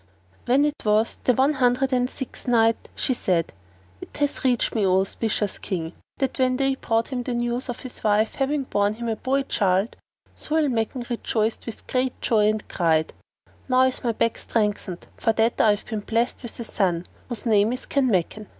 When it was the One Hundred and Sixth Night, She said, It hath reached me, O auspicious King, that when they brought him the news of his wife having borne him a boy child, Zau al Makan rejoiced with great joy and cried, "Now is my back strengthened, for that I have been blessed with a son[FN#455] whose name is Kanmakan."